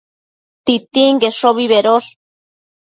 Titinqueshobi bedosh